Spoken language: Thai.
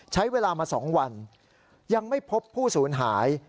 ใช้เวลามา๒วันยังไม่พบผู้สูญหาย